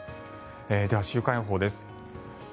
では、週間予報です。